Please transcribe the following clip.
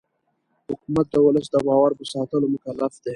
حکومت د ولس د باور په ساتلو مکلف دی